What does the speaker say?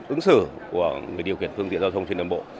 ứng xử của người điều khiển phương tiện giao thông trên đường bộ